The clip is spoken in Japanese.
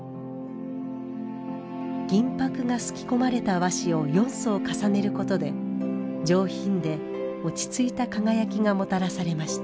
銀箔がすき込まれた和紙を４層重ねることで上品で落ち着いた輝きがもたらされました。